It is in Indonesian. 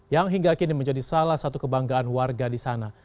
yang hingga kini menjadi salah satu kebanggaan warga di sana